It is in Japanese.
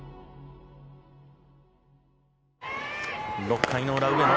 ６回の裏上野。